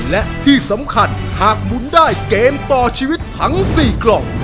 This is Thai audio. และที่สำคัญหากหมุนได้เกมต่อชีวิตทั้ง๔กล่อง